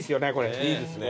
いいですね。